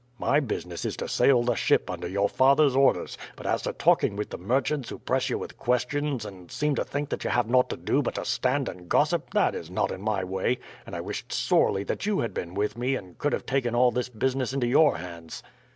My business is to sail the ship under your father's orders; but as to talking with merchants who press you with questions, and seem to think that you have nought to do but to stand and gossip, this is not in my way, and I wished sorely that you had been with me, and could have taken all this business into your hands.